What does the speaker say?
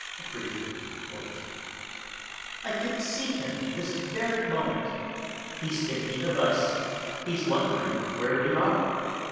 (Forgive me, won't you.) 'I can see him this very moment; he's thinking of us, he's wondering where we are.'